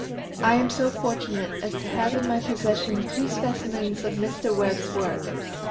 I am so fortunate as to have in my possession two specimen's of Mr. Webb's work.